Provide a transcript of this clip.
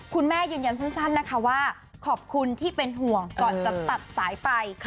ยืนยันสั้นนะคะว่าขอบคุณที่เป็นห่วงก่อนจะตัดสายไฟ